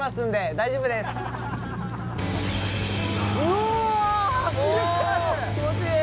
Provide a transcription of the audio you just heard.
お気持ちいい！